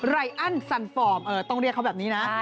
ไรอันสันฟอร์มต้องเรียกเขาแบบนี้นะ